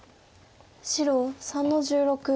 白３の十六。